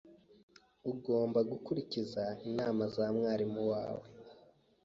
Ugomba gukurikiza inama za mwarimu wawe.